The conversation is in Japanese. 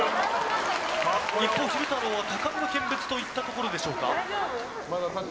一方、昼太郎は高みの見物といったところでしょうか。